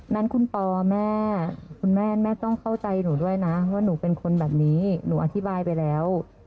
นั้นคุณปอแม่คุณแม่แม่ต้องเข้าใจหนูด้วยนะว่าหนูเป็นคนแบบนี้หนูอธิบายไปแล้ว